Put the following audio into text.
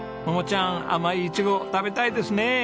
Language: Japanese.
桃ちゃん甘いイチゴ食べたいですね。